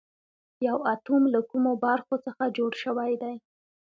یو اتوم له کومو برخو څخه جوړ شوی دی